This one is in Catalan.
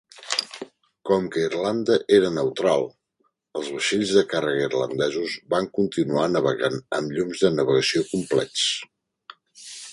Com que Irlanda era neutral, els vaixells de càrrega irlandesos van continuar navegant amb llums de navegació complets.